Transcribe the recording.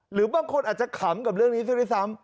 หรือบางคนอาจจะขำกับเรื่องนี้ซะด้วยซ้ำ